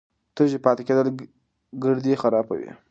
تږی پاتې کېدل ګردې خرابوي.